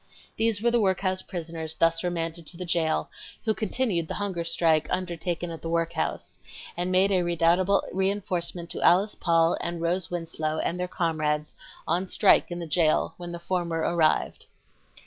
These were the workhouse prisoners thus remanded to the jail who continued the hunger strike undertaken at the workhouse, and made a redoubtable reinforcement to Alice Paul and Rose Winslow and their comrades on strike in the jail when the former arrived.